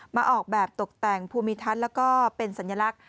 ออกแบบตกแต่งภูมิทัศน์แล้วก็เป็นสัญลักษณ